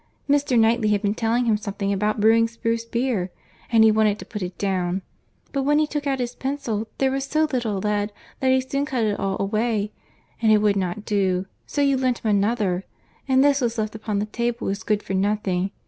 Mr. Knightley had been telling him something about brewing spruce beer, and he wanted to put it down; but when he took out his pencil, there was so little lead that he soon cut it all away, and it would not do, so you lent him another, and this was left upon the table as good for nothing.